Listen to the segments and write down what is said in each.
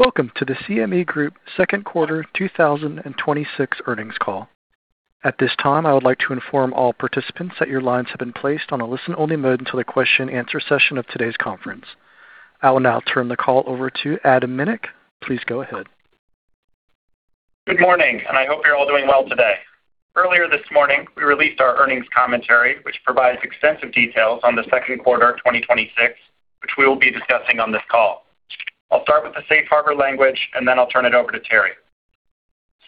Welcome to the CME Group second quarter 2026 earnings call. At this time, I would like to inform all participants that your lines have been placed on a listen-only mode until the question answer session of today's conference. I will now turn the call over to Adam Minick. Please go ahead. Good morning. I hope you're all doing well today. Earlier this morning, we released our earnings commentary, which provides extensive details on the second quarter of 2026, which we will be discussing on this call. I'll start with the safe harbor language. I'll turn it over to Terry.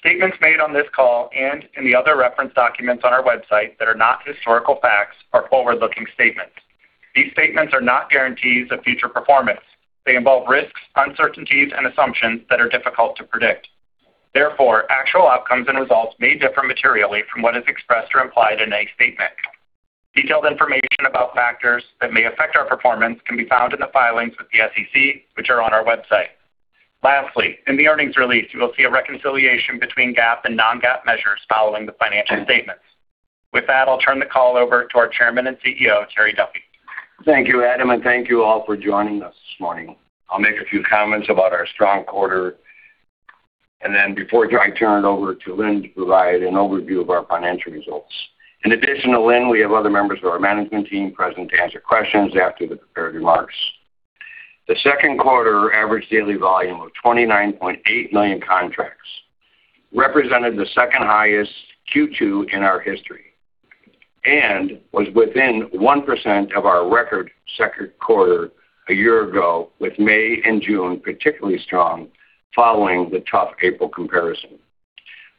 Statements made on this call and in the other reference documents on our website that are not historical facts are forward-looking statements. These statements are not guarantees of future performance. They involve risks, uncertainties, and assumptions that are difficult to predict. Therefore, actual outcomes and results may differ materially from what is expressed or implied in any statement. Detailed information about factors that may affect our performance can be found in the filings with the SEC, which are on our website. Lastly, in the earnings release, you will see a reconciliation between GAAP and non-GAAP measures following the financial statements. With that, I'll turn the call over to our Chairman and CEO, Terry Duffy. Thank you, Adam. Thank you all for joining us this morning. I'll make a few comments about our strong quarter before I turn it over to Lynne to provide an overview of our financial results. In addition to Lynne, we have other members of our management team present to answer questions after the prepared remarks. The second quarter average daily volume of 29.8 million contracts represented the second highest Q2 in our history and was within 1% of our record second quarter a year ago, with May and June particularly strong following the tough April comparison.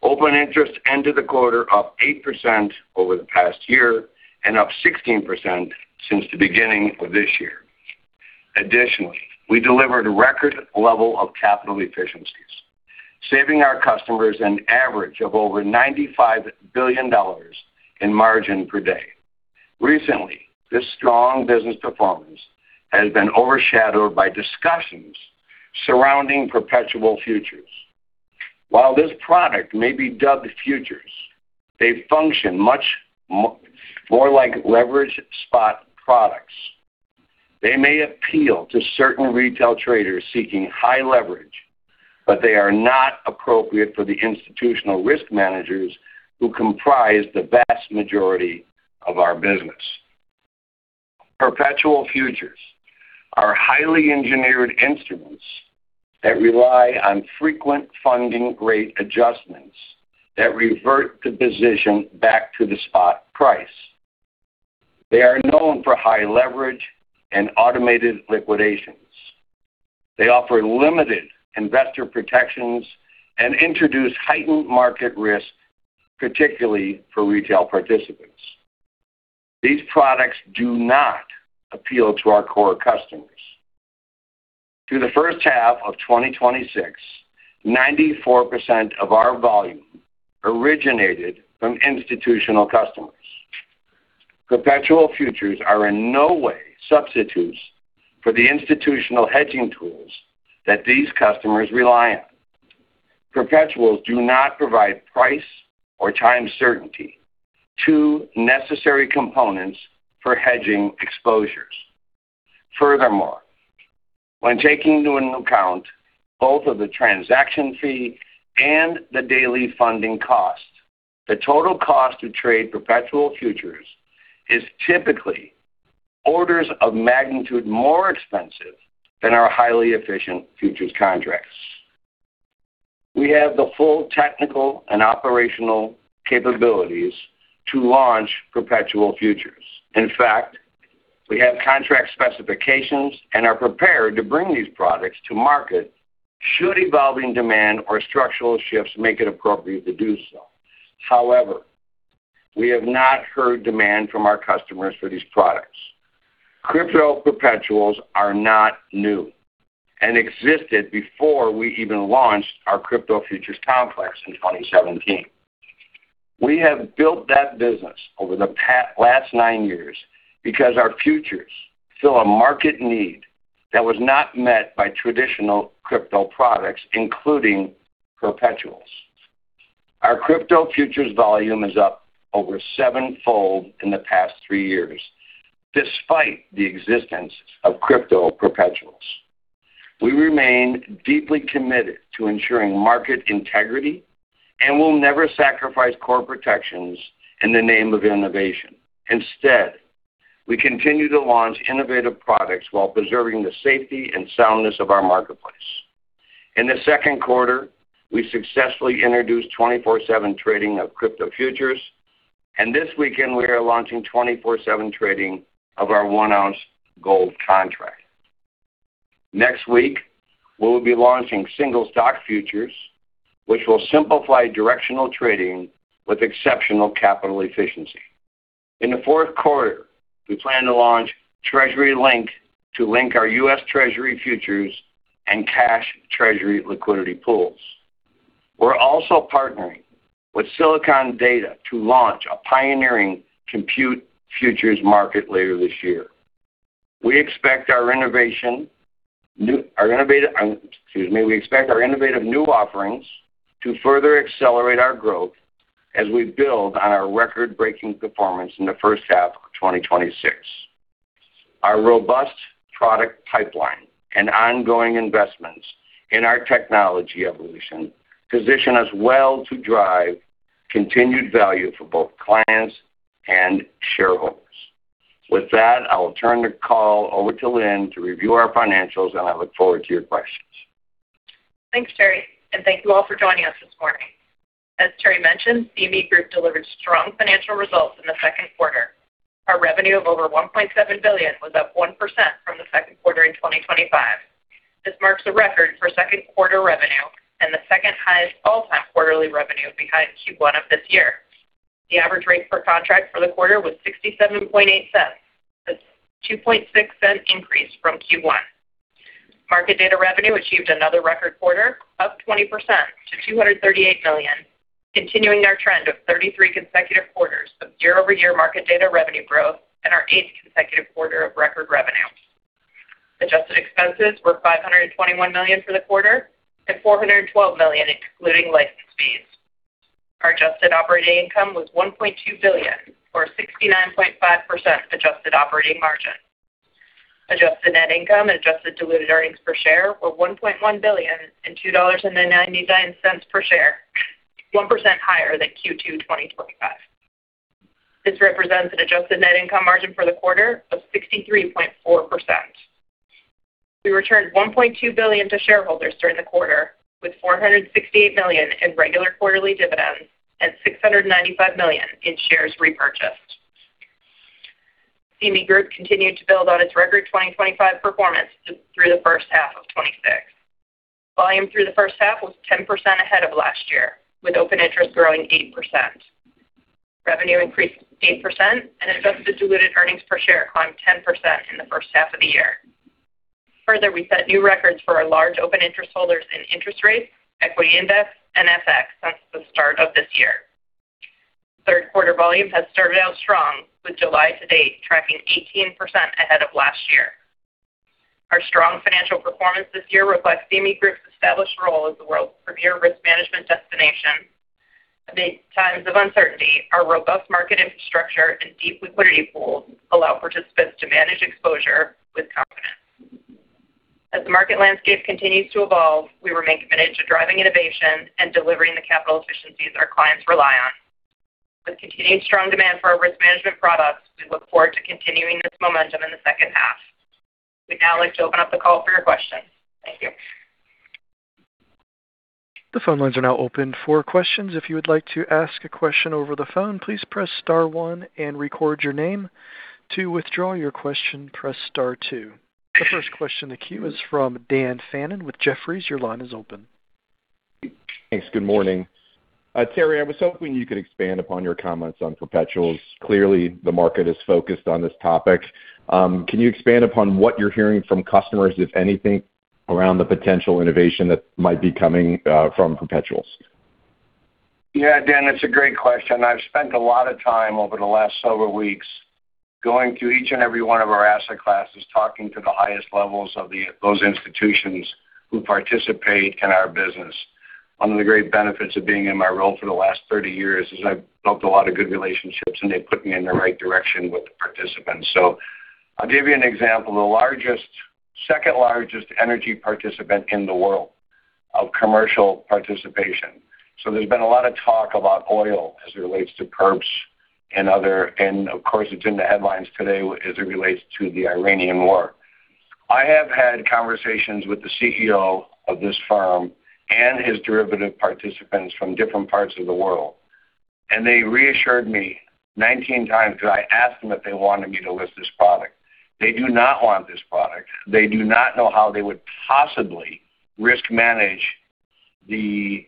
Open interest ended the quarter up 8% over the past year and up 16% since the beginning of this year. Additionally, we delivered a record level of capital efficiencies, saving our customers an average of over $95 billion in margin per day. Recently, this strong business performance has been overshadowed by discussions surrounding perpetual futures. While this product may be dubbed futures, they function much more like leverage spot products. They may appeal to certain retail traders seeking high leverage, but they are not appropriate for the institutional risk managers who comprise the vast majority of our business. Perpetual futures are highly engineered instruments that rely on frequent funding rate adjustments that revert the position back to the spot price. They are known for high leverage and automated liquidations. They offer limited investor protections and introduce heightened market risk, particularly for retail participants. These products do not appeal to our core customers. Through the first half of 2026, 94% of our volume originated from institutional customers. Perpetual futures are in no way substitutes for the institutional hedging tools that these customers rely on. Perpetuals do not provide price or time certainty, two necessary components for hedging exposures. Furthermore, when taking into account both of the transaction fee and the daily funding cost, the total cost to trade perpetual futures is typically orders of magnitude more expensive than our highly efficient futures contracts. We have the full technical and operational capabilities to launch perpetual futures. In fact, we have contract specifications and are prepared to bring these products to market should evolving demand or structural shifts make it appropriate to do so. However, we have not heard demand from our customers for these products. Crypto perpetuals are not new and existed before we even launched our crypto futures complex in 2017. We have built that business over the last nine years because our futures fill a market need that was not met by traditional crypto products, including perpetuals. Our crypto futures volume is up over sevenfold in the past three years, despite the existence of crypto perpetuals. We remain deeply committed to ensuring market integrity, and we'll never sacrifice core protections in the name of innovation. Instead, we continue to launch innovative products while preserving the safety and soundness of our marketplace. In the second quarter, we successfully introduced twenty-four seven trading of crypto futures. This weekend we are launching twenty-four seven trading of our one-ounce gold contract. Next week, we will be launching Single Stock futures, which will simplify directional trading with exceptional capital efficiency. In the fourth quarter, we plan to launch Treasury Link to link our U.S. Treasury futures and cash treasury liquidity pools. We're also partnering with Silicon Data to launch a pioneering Compute Futures market later this year. We expect our innovative new offerings to further accelerate our growth as we build on our record-breaking performance in the first half of 2026. Our robust product pipeline and ongoing investments in our technology evolution position us well to drive continued value for both clients and shareholders. With that, I will turn the call over to Lynne to review our financials. I look forward to your questions. Thanks, Terry, and thank you all for joining us this morning. As Terry mentioned, CME Group delivered strong financial results in the second quarter. Our revenue of over $1.7 billion was up 1% from the second quarter in 2025. This marks a record for second quarter revenue and the second highest all-time quarterly revenue behind Q1 of this year. The average rate per contract for the quarter was $0.678, a $0.026 increase from Q1. Market data revenue achieved another record quarter, up 20% to $238 million, continuing our trend of 33 consecutive quarters of year-over-year market data revenue growth and our eighth consecutive quarter of record revenue. Adjusted expenses were $521 million for the quarter and $412 million, excluding license fees. Our adjusted operating income was $1.2 billion, or 69.5% adjusted operating margin. Adjusted net income and adjusted diluted earnings per share were $1.1 billion and $2.99 per share, 1% higher than Q2 2025. This represents an adjusted net income margin for the quarter of 63.4%. We returned $1.2 billion to shareholders during the quarter, with $468 million in regular quarterly dividends and $695 million in shares repurchased. CME Group continued to build on its record 2025 performance through the first half of 2026. Volume through the first half was 10% ahead of last year, with open interest growing 8%. Revenue increased 8%, and adjusted diluted earnings per share climbed 10% in the first half of the year. Further, we set new records for our large open interest holders in interest rates, equity index, and FX since the start of this year. Third quarter volumes have started out strong, with July to date tracking 18% ahead of last year. Our strong financial performance this year reflects CME Group's established role as the world's premier risk management destination. Amid times of uncertainty, our robust market infrastructure and deep liquidity pools allow participants to manage exposure with confidence. As the market landscape continues to evolve, we remain committed to driving innovation and delivering the capital efficiencies our clients rely on. With continued strong demand for our risk management products, we look forward to continuing this momentum in the second half. We'd now like to open up the call for your questions. Thank you. The phone lines are now open for questions. If you would like to ask a question over the phone, please press star one and record your name. To withdraw your question, press star two. The first question in the queue is from Dan Fannon with Jefferies. Your line is open. Thanks. Good morning. Terry, I was hoping you could expand upon your comments on perpetuals. Clearly, the market is focused on this topic. Can you expand upon what you're hearing from customers, if anything, around the potential innovation that might be coming from perpetuals? Dan, it's a great question. I've spent a lot of time over the last several weeks going to each and every one of our asset classes, talking to the highest levels of those institutions who participate in our business. One of the great benefits of being in my role for the last 30 years is I've built a lot of good relationships, and they've put me in the right direction with the participants. I'll give you an example. The second largest energy participant in the world of commercial participation. There's been a lot of talk about oil as it relates to perps and other, and of course, it's in the headlines today as it relates to the Iranian war. I have had conversations with the CEO of this firm and his derivative participants from different parts of the world, and they reassured me 19x because I asked them if they wanted me to list this product. They do not want this product. They do not know how they would possibly risk manage the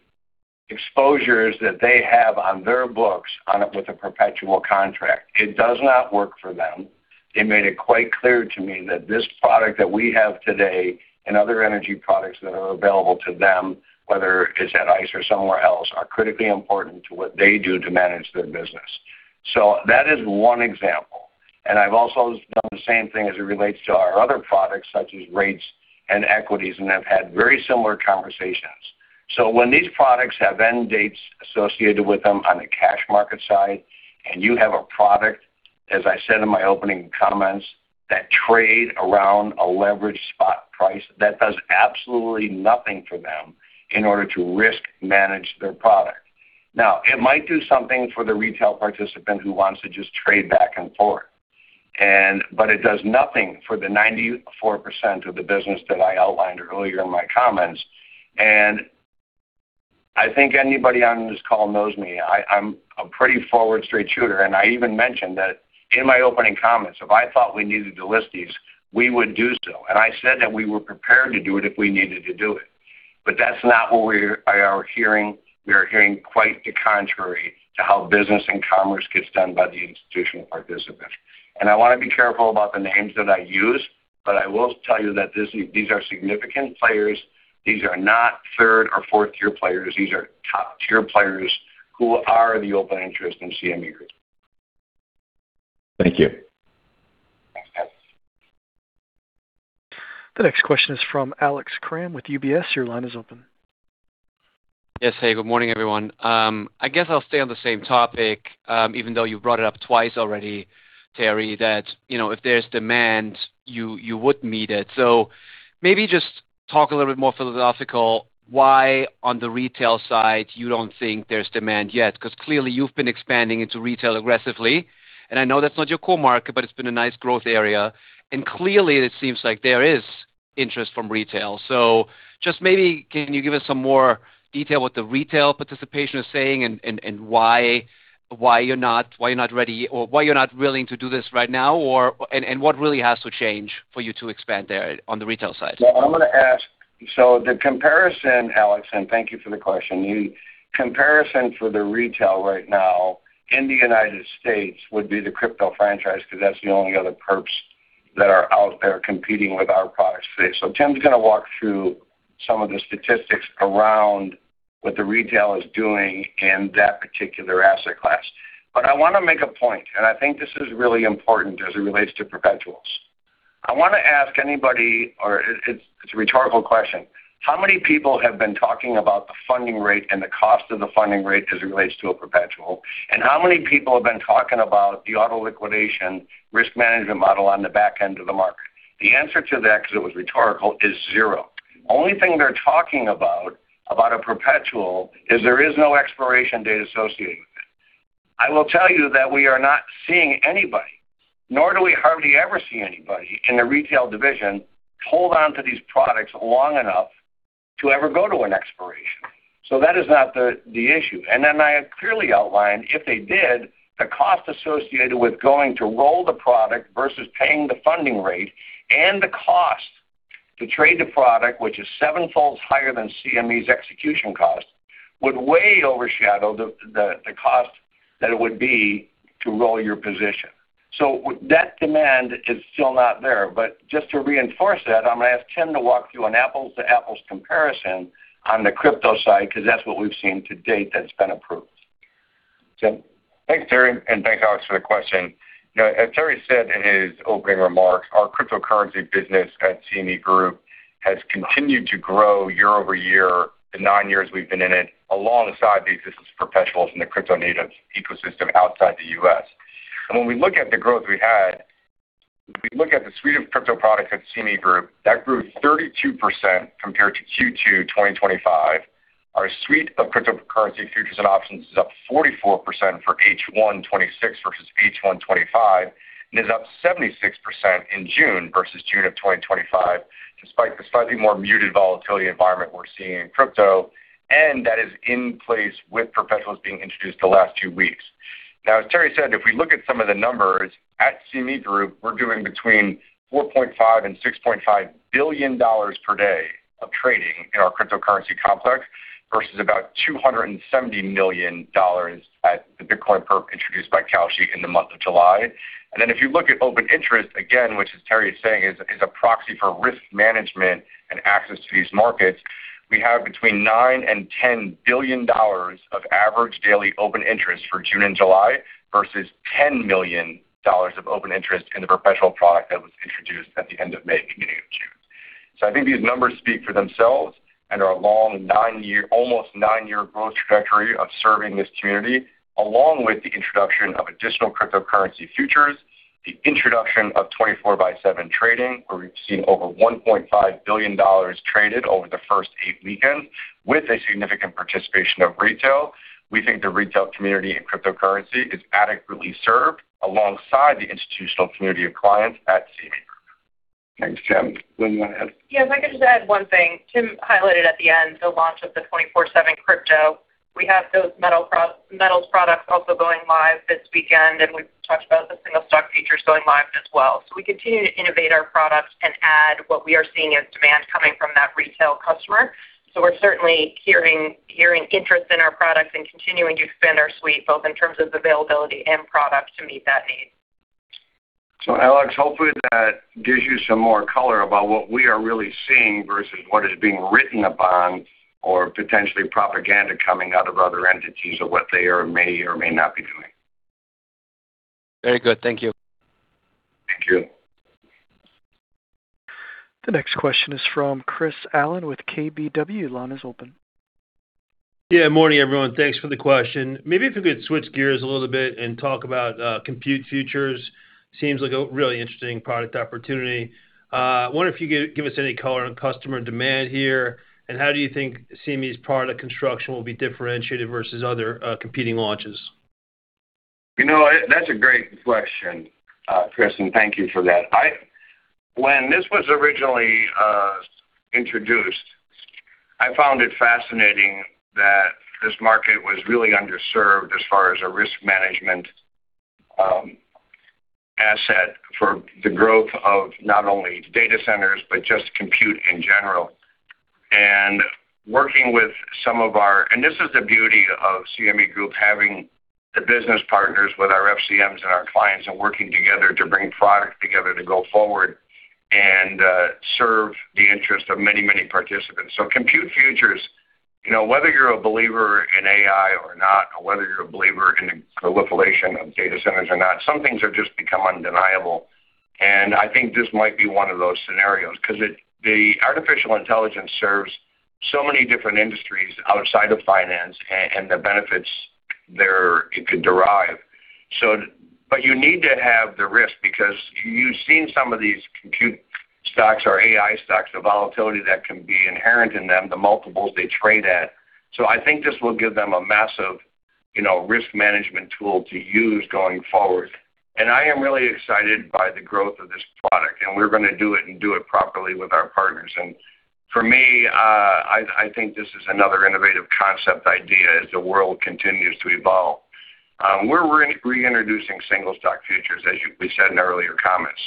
exposures that they have on their books on it with a perpetual contract. It does not work for them. They made it quite clear to me that this product that we have today and other energy products that are available to them, whether it's at ICE or somewhere else, are critically important to what they do to manage their business. That is one example, and I've also done the same thing as it relates to our other products such as rates and equities, and have had very similar conversations. When these products have end dates associated with them on the cash market side, and you have a product, as I said in my opening comments, that trade around a leveraged spot price, that does absolutely nothing for them in order to risk manage their product. It might do something for the retail participant who wants to just trade back and forth, but it does nothing for the 94% of the business that I outlined earlier in my comments. I think anybody on this call knows me. I'm a pretty forward, straight shooter, and I even mentioned that in my opening comments, if I thought we needed to list these, we would do so. I said that we were prepared to do it if we needed to do it. That's not what we are hearing. We are hearing quite the contrary to how business and commerce gets done by the institutional participant. I want to be careful about the names that I use, but I will tell you that these are significant players. These are not three-tier or four-tier players. These are top-tier players who are the open interest in CME Group. Thank you. Thanks, Dan. The next question is from Alex Kramm with UBS. Your line is open. Yes. Hey, good morning, everyone. I guess I'll stay on the same topic, even though you've brought it up twice already, Terry, that if there's demand, you would meet it. Maybe just talk a little bit more philosophical why on the retail side you don't think there's demand yet, because clearly you've been expanding into retail aggressively, and I know that's not your core market, but it's been a nice growth area, and clearly it seems like there is interest from retail. Just maybe, can you give us some more detail what the retail participation is saying and why you're not ready, or why you're not willing to do this right now, and what really has to change for you to expand there on the retail side? The comparison, Alex, and thank you for the question. The comparison for the retail right now in the U.S. would be the crypto franchise because that's the only other perps that are out there competing with our products today. Tim's going to walk through some of the statistics around what the retail is doing in that particular asset class. I want to make a point, and I think this is really important as it relates to perpetuals. I want to ask anybody, or it's a rhetorical question, how many people have been talking about the funding rate and the cost of the funding rate as it relates to a perpetual? How many people have been talking about the auto liquidation risk management model on the back end of the market? The answer to that, because it was rhetorical, is zero. Only thing they're talking about a perpetual is there is no expiration date associated with it. I will tell you that we are not seeing anybody, nor do we hardly ever see anybody in the retail division hold onto these products long enough to ever go to an expiration. That is not the issue. I have clearly outlined, if they did, the cost associated with going to roll the product versus paying the funding rate and the cost to trade the product, which is sevenfold higher than CME's execution cost, would way overshadow the cost that it would be to roll your position. That demand is still not there. Just to reinforce that, I'm going to ask Tim to walk through an apples-to-apples comparison on the crypto side, because that's what we've seen to date that's been approved. Tim. Thanks, Terry, and thanks, Alex, for the question. As Terry said in his opening remarks, our cryptocurrency business at CME Group has continued to grow year-over-year, the nine years we've been in it, alongside the existence of perpetuals in the crypto-native ecosystem outside the U.S. When we look at the growth we had, if we look at the suite of crypto products at CME Group, that grew 32% compared to Q2 2025. Our suite of cryptocurrency futures and options is up 44% for H1 2026 versus H1 2025, and is up 76% in June versus June of 2025, despite the slightly more muted volatility environment we're seeing in crypto, and that is in place with perpetuals being introduced the last two weeks. As Terry said, if we look at some of the numbers, at CME Group, we're doing between $4.5 billion and $6.5 billion per day of trading in our cryptocurrency complex, versus about $270 million at the Bitcoin perp introduced by Kalshi in the month of July. If you look at open interest, again, which as Terry is saying, is a proxy for risk management and access to these markets, we have between $9 billion and $10 billion of average daily open interest for June and July versus $10 million of open interest in the perpetual product that was introduced at the end of May, beginning of June. I think these numbers speak for themselves and are a long almost nine-year growth trajectory of serving this community, along with the introduction of additional cryptocurrency futures, the introduction of 24/7 trading, where we've seen over $1.5 billion traded over the first eight weekends with a significant participation of retail. We think the retail community in cryptocurrency is adequately served alongside the institutional community of clients at CME Group. Thanks, Tim. Lynne, go ahead. If I could just add one thing. Tim highlighted at the end the launch of the 24/7 crypto. We have those metals products also going live this weekend, and we've talked about the Single Stock futures going live as well. We continue to innovate our products and add what we are seeing as demand coming from that retail customer. We're certainly hearing interest in our products and continuing to expand our suite, both in terms of availability and product to meet that need. Alex, hopefully that gives you some more color about what we are really seeing versus what is being written about or potentially propaganda coming out of other entities of what they are, may or may not be doing. Very good. Thank you. Thank you. The next question is from Chris Allen with KBW. Line is open. Yeah, morning, everyone. Thanks for the question. Maybe if we could switch gears a little bit and talk about Compute Futures. Seems like a really interesting product opportunity. Wonder if you could give us any color on customer demand here, and how do you think CME's product construction will be differentiated versus other competing launches? That's a great question, Chris, and thank you for that. This is the beauty of CME Group having the business partners with our FCMs and our clients and working together to bring product together to go forward and serve the interest of many, many participants. Compute Futures Whether you're a believer in AI or not, or whether you're a believer in the proliferation of data centers or not, some things have just become undeniable. I think this might be one of those scenarios, because the artificial intelligence serves so many different industries outside of finance and the benefits it could derive. You need to have the risk because you've seen some of these compute stocks or AI stocks, the volatility that can be inherent in them, the multiples they trade at. I think this will give them a massive risk management tool to use going forward. I am really excited by the growth of this product, and we're going to do it and do it properly with our partners. For me, I think this is another innovative concept idea as the world continues to evolve. We're reintroducing Single Stock futures, as we said in earlier comments.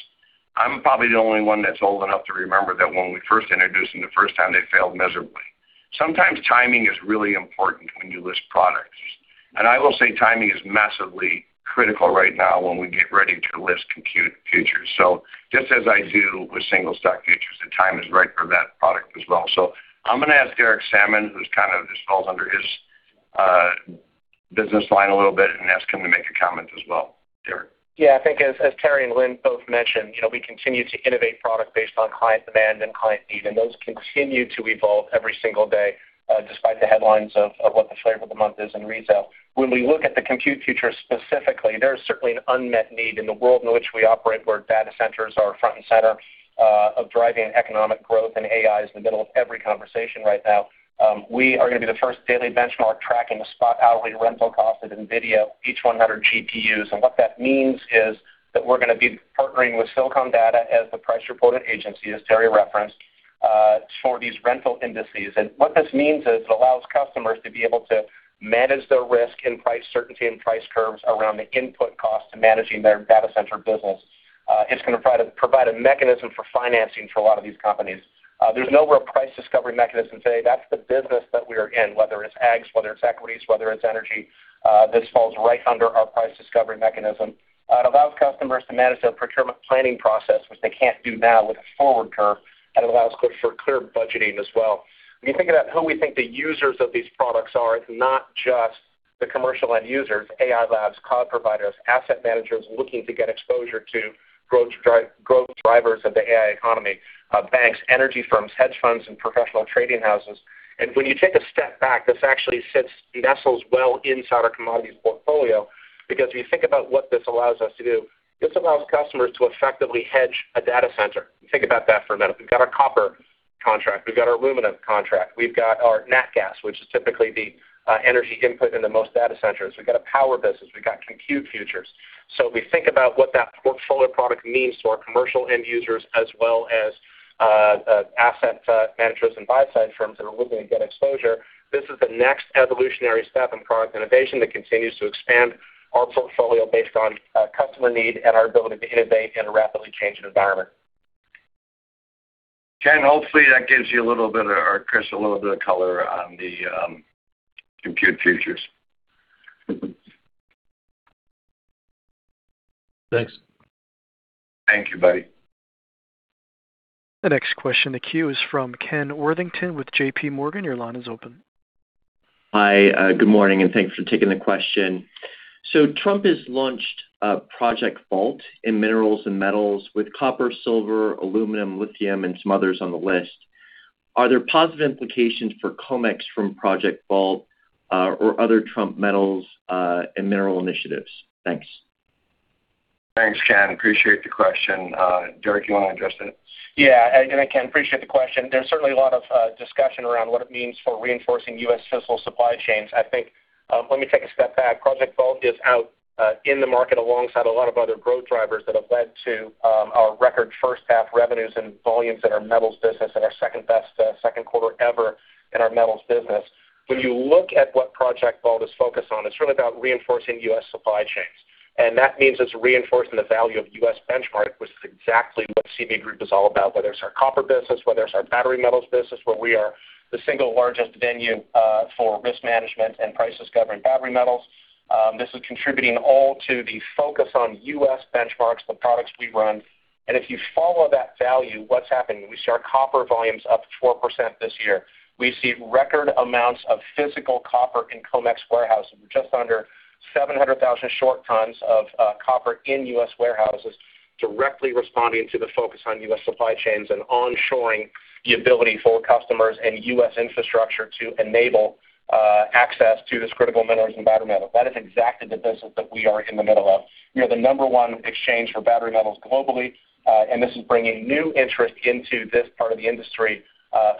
I'm probably the only one that's old enough to remember that when we first introduced them, the first time, they failed miserably. Sometimes timing is really important when you list products. I will say timing is massively critical right now when we get ready to list Compute Futures. Just as I do with Single Stock futures, the time is right for that product as well. I'm going to ask Derek Sammann, this falls under his business line a little bit, and ask him to make a comment as well. Derek? I think as Terry and Lynne both mentioned, we continue to innovate product based on client demand and client need, and those continue to evolve every single day, despite the headlines of what the flavor of the month is in retail. When we look at the Compute Futures specifically, there is certainly an unmet need in the world in which we operate, where data centers are front and center of driving economic growth, and AI is in the middle of every conversation right now. We are going to be the first daily benchmark tracking the spot hourly rental cost of NVIDIA H100 GPUs. What that means is that we're going to be partnering with Silicon Data as the price reporting agency, as Terry referenced, for these rental indices. What this means is it allows customers to be able to manage their risk in price certainty and price curves around the input cost to managing their data center business. It's going to provide a mechanism for financing for a lot of these companies. There's no real price discovery mechanism today. That's the business that we are in, whether it's ags, whether it's equities, whether it's energy. This falls right under our price discovery mechanism. It allows customers to manage their procurement planning process, which they can't do now with a forward curve, and allows for clear budgeting as well. When you think about who we think the users of these products are, it's not just the commercial end users, AI labs, cloud providers, asset managers looking to get exposure to growth drivers of the AI economy, banks, energy firms, hedge funds, and professional trading houses. When you take a step back, this actually nestles well inside our commodities portfolio, because if you think about what this allows us to do, this allows customers to effectively hedge a data center. Think about that for a minute. We've got our copper contract, we've got our aluminum contract, we've got our nat gas, which is typically the energy input into most data centers. We've got a power business, we've got Compute Futures. We think about what that portfolio product means to our commercial end users as well as asset managers and buy-side firms that are looking to get exposure. This is the next evolutionary step in product innovation that continues to expand our portfolio based on customer need and our ability to innovate in a rapidly changing environment. Ken, hopefully that gives you a little bit, or Chris, a little bit of color on the Compute Futures. Thanks. Thank you, buddy. The next question in the queue is from Ken Worthington with JPMorgan. Your line is open. Hi, good morning. Thanks for taking the question. Trump has launched Project Vault in minerals and metals with copper, silver, aluminum, lithium, and some others on the list. Are there positive implications for COMEX from Project Vault or other Trump metals and mineral initiatives? Thanks. Thanks, Ken. Appreciate the question. Derek, you want to address that? Yeah. Ken, appreciate the question. There's certainly a lot of discussion around what it means for reinforcing U.S. physical supply chains. I think, let me take a step back. Project Vault is out in the market alongside a lot of other growth drivers that have led to our record first half revenues and volumes in our metals business and our second best second quarter ever in our metals business. When you look at what Project Vault is focused on, it's really about reinforcing U.S. supply chains. That means it's reinforcing the value of U.S. benchmark, which is exactly what CME Group is all about, whether it's our copper business, whether it's our battery metals business, where we are the single largest venue for risk management and price discovery in battery metals. This is contributing all to the focus on U.S. benchmarks, the products we run. If you follow that value, what's happening? We see our copper volumes up 4% this year. We've seen record amounts of physical copper in COMEX warehouses, just under 700,000 short tons of copper in U.S. warehouses, directly responding to the focus on U.S. supply chains and onshoring the ability for customers and U.S. infrastructure to enable access to this critical minerals and battery metal. That is exactly the business that we are in the middle of. We are the number one exchange for battery metals globally. This is bringing new interest into this part of the industry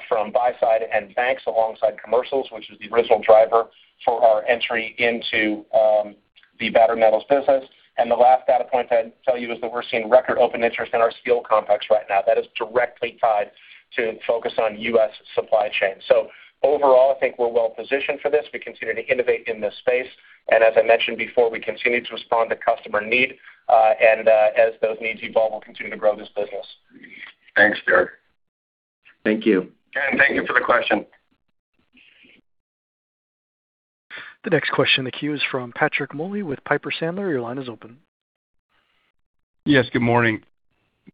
from buy-side and banks alongside commercials, which is the original driver for our entry into the battery metals business. The last data point I'd tell you is that we're seeing record open interest in our steel complex right now. That is directly tied to focus on U.S. supply chain. Overall, I think we're well-positioned for this. We continue to innovate in this space. As I mentioned before, we continue to respond to customer need. As those needs evolve, we'll continue to grow this business. Thanks, Derek. Thank you. Ken, thank you for the question. The next question in the queue is from Patrick Moley with Piper Sandler. Your line is open. Yes, good morning.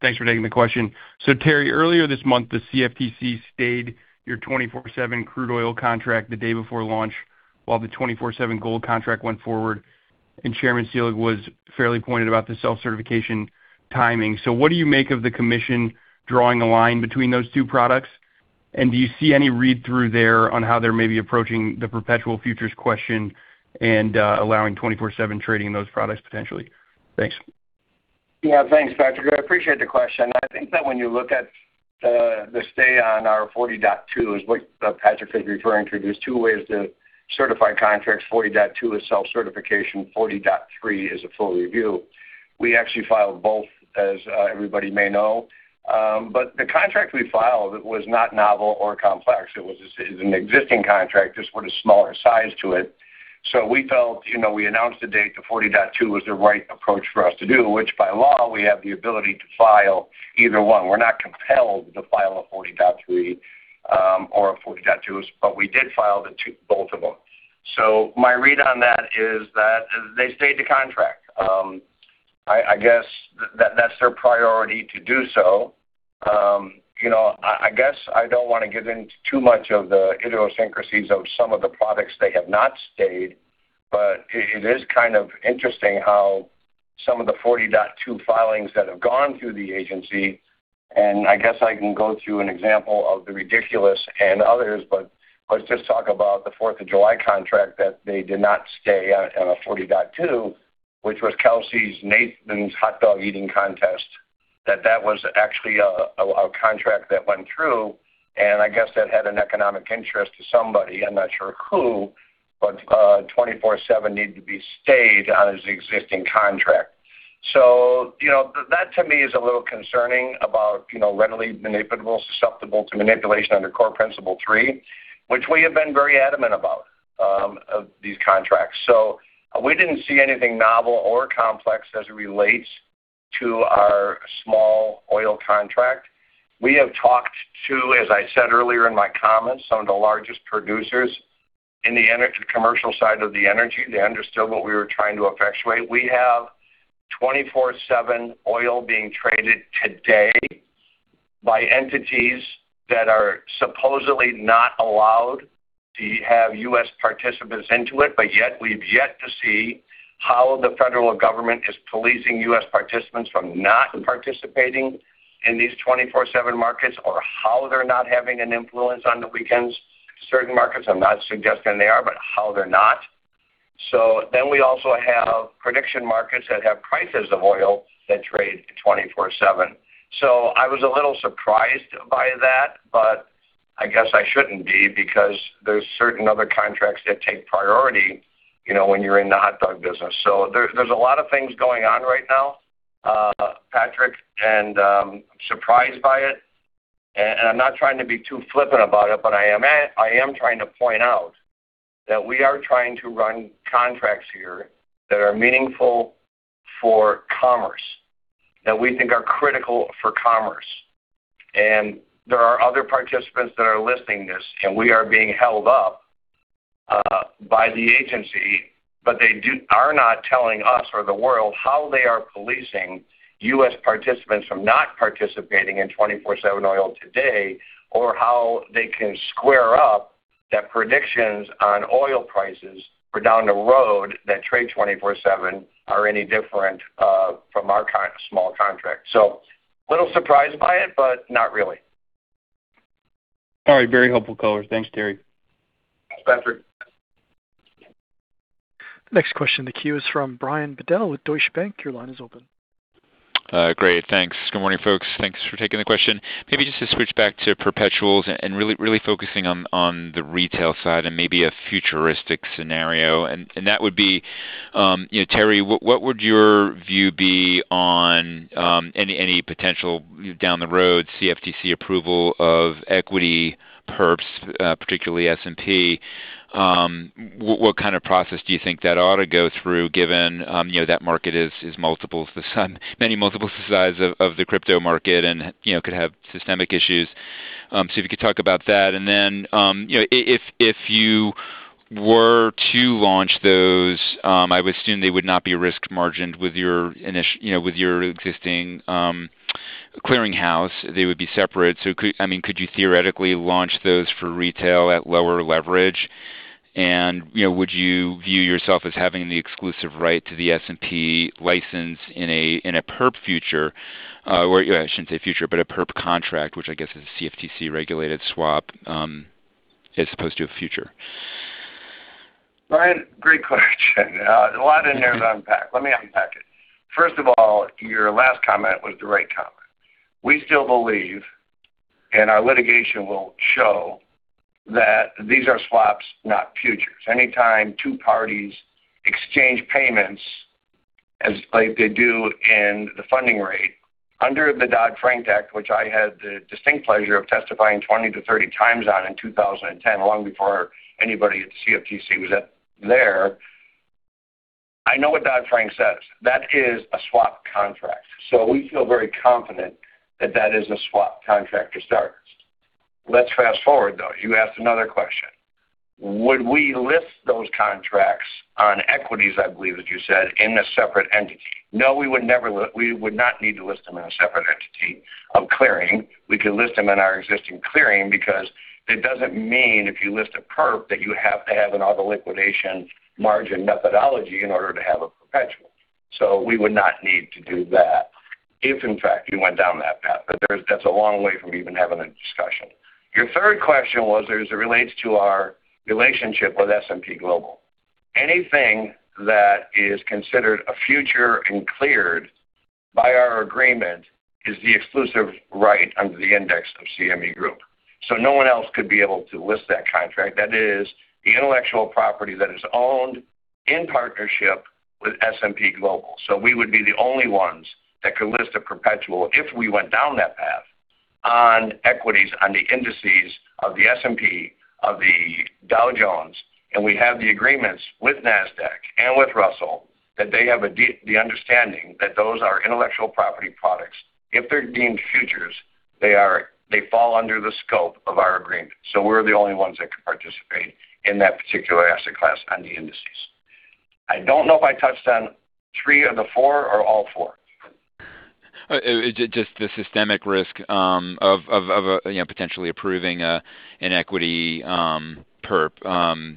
Thanks for taking the question. Terry, earlier this month, the CFTC stayed your 24/7 crude oil contract the day before launch, while the 24/7 gold contract went forward, and Chairman Selig was fairly pointed about the self-certification timing. What do you make of the commission drawing a line between those two products? Do you see any read-through there on how they're maybe approaching the perpetual futures question and allowing 24/7 trading in those products potentially? Thanks. Yeah, thanks, Patrick. I appreciate the question. I think that when you look at the stay on our 40.2 is what Patrick is referring to. There's two ways to certify contracts, 40.2 is self-certification, 40.3 is a full review. We actually filed both, as everybody may know. The contract we filed was not novel or complex. It was an existing contract, just with a smaller size to it. We felt, we announced the date, the 40.2 was the right approach for us to do, which by law, we have the ability to file either one. We're not compelled to file a 40.3, or a 40.2, but we did file the two, both of them. My read on that is that they stayed the contract. I guess that's their priority to do so. I guess I don't want to get into too much of the idiosyncrasies of some of the products they have not stayed, but it is kind of interesting how some of the 40.2 filings that have gone through the agency, and I guess I can go through an example of the ridiculous and others, but let's just talk about the Fourth of July contract that they did not stay on a 40.2, which was Nathan's Hot Dog Eating Contest, that was actually a contract that went through, and I guess that had an economic interest to somebody. I'm not sure who, but 24/7 needed to be stayed on this existing contract. That to me is a little concerning about readily manipulable, susceptible to manipulation under Core Principle 3, which we have been very adamant about, of these contracts. We didn't see anything novel or complex as it relates to our small oil contract. We have talked to, as I said earlier in my comments, some of the largest producers in the commercial side of the energy. They understood what we were trying to effectuate. We have 24/7 oil being traded today by entities that are supposedly not allowed to have U.S. participants into it, but yet we've yet to see how the federal government is policing U.S. participants from not participating in these 24/7 markets or how they're not having an influence on the weekends. Certain markets, I'm not suggesting they are, but how they're not. We also have prediction markets that have prices of oil that trade 24/7. I was a little surprised by that, but I guess I shouldn't be because there's certain other contracts that take priority when you're in the hot dog business. There's a lot of things going on right now, Patrick, I'm surprised by it, and I'm not trying to be too flippant about it, but I am trying to point out that we are trying to run contracts here that are meaningful for commerce, that we think are critical for commerce. There are other participants that are listening to this, and we are being held up by the agency, but they are not telling us or the world how they are policing U.S. participants from not participating in 24/7 oil today, or how they can square up that predictions on oil prices for down the road that trade 24/7 are any different from our small contract. A little surprised by it, but not really. All right. Very helpful color. Thanks, Terry. Thanks, Patrick. Next question in the queue is from Brian Bedell with Deutsche Bank. Your line is open. Great. Thanks. Good morning, folks. Thanks for taking the question. Maybe just to switch back to perpetuals and really focusing on the retail side and maybe a futuristic scenario, and that would be, Terry, what would your view be on any potential down the road CFTC approval of equity perps, particularly S&P? What kind of process do you think that ought to go through given that market is many multiples the size of the crypto market and could have systemic issues? If you could talk about that and then, if you were to launch those, I would assume they would not be risk margined with your existing clearing house. They would be separate. Could you theoretically launch those for retail at lower leverage? Would you view yourself as having the exclusive right to the S&P license in a perp future, or I shouldn't say future, but a perp contract, which I guess is a CFTC-regulated swap, as opposed to a future? Brian, great question. A lot in there to unpack. Let me unpack it. First of all, your last comment was the right comment. We still believe, and our litigation will show that these are swaps, not futures. Anytime two parties exchange payments as like they do in the funding rate, under the Dodd-Frank Act, which I had the distinct pleasure of testifying 20x to 30x on in 2010, long before anybody at the CFTC was up there I know what Dodd-Frank says. That is a swap contract. We feel very confident that that is a swap contract to start. Let's fast-forward, though. You asked another question. Would we list those contracts on equities, I believe, as you said, in a separate entity? No, we would not need to list them in a separate entity of clearing. We could list them in our existing clearing because it doesn't mean if you list a perp that you have to have an auto liquidation margin methodology in order to have a perpetual. We would not need to do that if, in fact, we went down that path. That's a long way from even having a discussion. Your third question was as it relates to our relationship with S&P Global. Anything that is considered a future and cleared by our agreement is the exclusive right under the index of CME Group. No one else could be able to list that contract. That is the intellectual property that is owned in partnership with S&P Global. We would be the only ones that could list a perpetual if we went down that path on equities, on the indices of the S&P, of the Dow Jones, and we have the agreements with Nasdaq and with Russell that they have the understanding that those are intellectual property products. If they're deemed futures, they fall under the scope of our agreement. We're the only ones that can participate in that particular asset class on the indices. I don't know if I touched on three of the four or all four. Just the systemic risk of potentially approving an equity perp,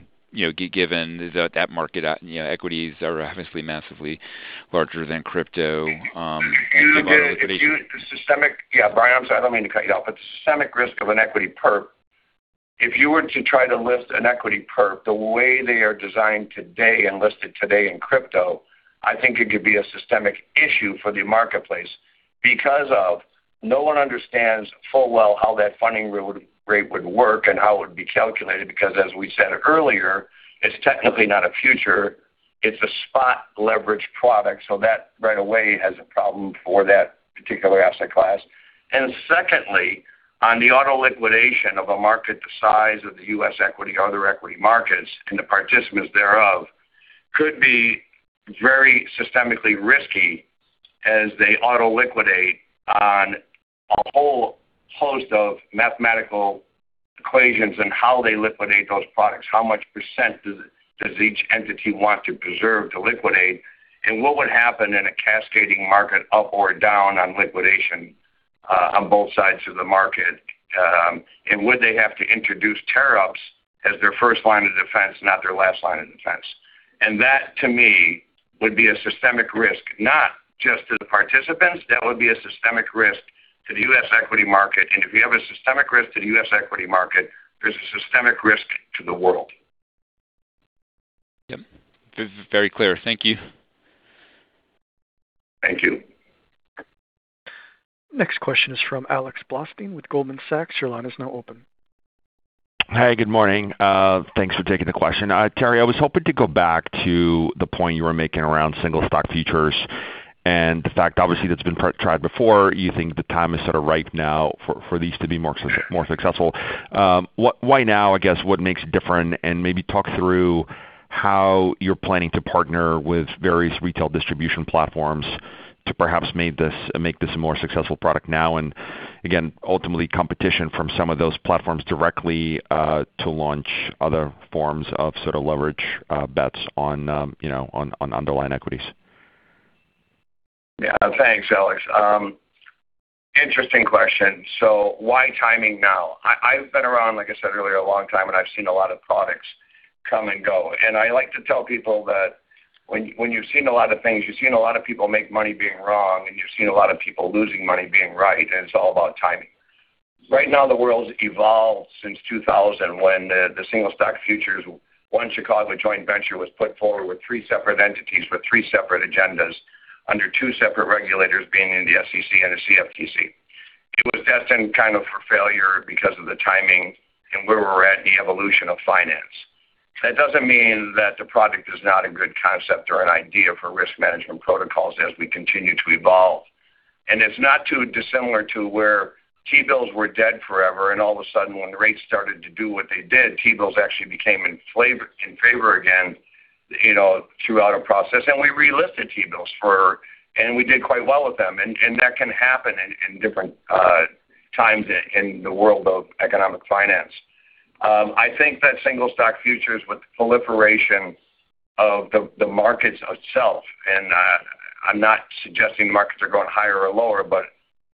given that market equities are obviously massively larger than crypto Brian, I'm sorry, I don't mean to cut you off. The systemic risk of an equity perp, if you were to try to list an equity perp, the way they are designed today and listed today in crypto, I think it could be a systemic issue for the marketplace because no one understands full well how that funding rate would work and how it would be calculated, because as we said earlier, it's technically not a future, it's a spot leverage product. That right away has a problem for that particular asset class. Secondly, on the auto liquidation of a market the size of the U.S. equity, other equity markets and the participants thereof could be very systemically risky as they auto liquidate on a whole host of mathematical equations and how they liquidate those products. How much percent does each entity want to preserve to liquidate? What would happen in a cascading market up or down on liquidation on both sides of the market? Would they have to introduce tear ups as their first line of defense, not their last line of defense? That, to me, would be a systemic risk, not just to the participants, that would be a systemic risk to the U.S. equity market. If you have a systemic risk to the U.S. equity market, there's a systemic risk to the world. Yep. Very clear. Thank you. Thank you. Next question is from Alex Blostein with Goldman Sachs. Your line is now open. Hi, good morning. Thanks for taking the question. Terry, I was hoping to go back to the point you were making around Single Stock futures and the fact, obviously, that's been tried before. You think the time is sort of ripe now for these to be more successful. Why now? I guess, what makes it different? Maybe talk through how you're planning to partner with various retail distribution platforms to perhaps make this a more successful product now, and again, ultimately, competition from some of those platforms directly, to launch other forms of sort of leverage bets on underlying equities. Thanks, Alex. Interesting question. Why timing now? I've been around, like I said earlier, a long time, and I've seen a lot of products come and go. I like to tell people that when you've seen a lot of things, you've seen a lot of people make money being wrong, and you've seen a lot of people losing money being right, and it's all about timing. Right now, the world's evolved since 2000 when the Single Stock futures, OneChicago joint venture was put forward with three separate entities, with three separate agendas under two separate regulators, being the SEC and the CFTC. It was destined kind of for failure because of the timing and where we're at in the evolution of finance. That doesn't mean that the product is not a good concept or an idea for risk management protocols as we continue to evolve. It's not too dissimilar to where T-bills were dead forever, and all of a sudden, when rates started to do what they did, T-bills actually became in favor again throughout our process, and we relisted T-bills, and we did quite well with them. That can happen in different times in the world of economic finance. I think that Single Stock futures with the proliferation of the markets itself, I'm not suggesting the markets are going higher or lower, but